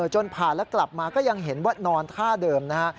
จนผ่านแล้วกลับมาก็ยังเห็นว่านอนท่าเดิมนะฮะ